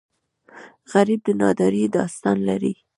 غریب د نادارۍ داستان لري